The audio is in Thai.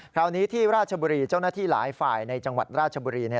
คราวนี้ที่ราชบุรีเจ้าหน้าที่หลายฝ่ายในจังหวัดราชบุรี